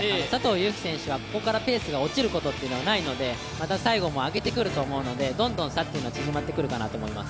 悠基選手はここからペースが落ちることはないので最後も上げてくると思うので、どんどん差は縮まってくるかなと思います。